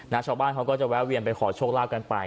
ชาวบ้านเขาก็จะแวะเวียนไปขอโชคลาภกันไป